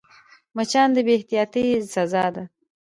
مچان د بې احتیاطۍ سزا ده